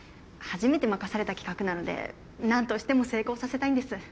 初めて任された企画なのでなんとしても成功させたいんです。